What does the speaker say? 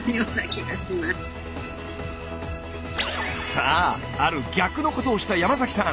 さあある逆のことをした山さん。